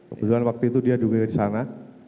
kebetulan waktu itu dia juga disana